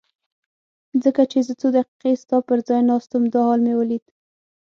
ځکه چې زه څو دقیقې ستا پر ځای ناست وم دا حال مې ولید.